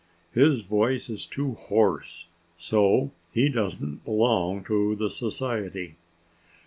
His voice is too hoarse. So he doesn't belong to the Society."